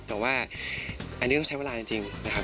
แต่ว่าอันนี้ต้องใช้เวลาจริงนะครับ